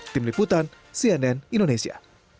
tim liputan cnn indonesia